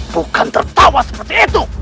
bukan tertawa seperti itu